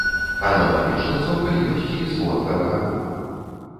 Аналагічны цокаль ёсць і з вонкавага боку.